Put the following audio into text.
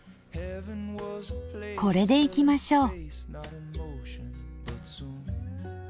これでいきましょう。